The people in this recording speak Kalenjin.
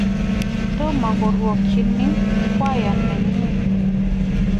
Tomo korwokchini kwaan nenyi